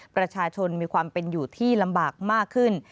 ประชาชนมีความเป็นอยู่ที่ลำบากมากขึ้น